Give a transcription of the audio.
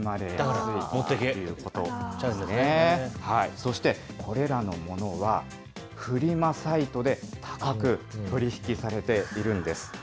そしてこれらのものは、フリマサイトで高く取り引きされているんです。